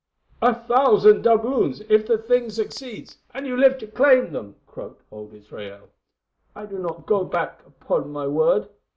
"A thousand doubloons if the thing succeeds, and you live to claim them," croaked old Israel. "I do not go back upon my word.